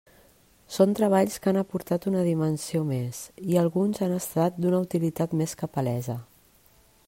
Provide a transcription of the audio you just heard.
Són treballs que han aportat una dimensió més, i alguns han estat d'una utilitat més que palesa.